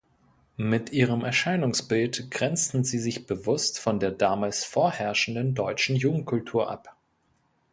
Mit ihrem Erscheinungsbild grenzten sie sich bewusst von der damals vorherrschenden deutschen Jugendkultur ab.